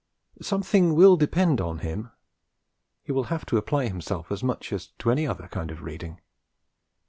Something will depend on him; he will have to apply himself, as much as to any other kind of reading.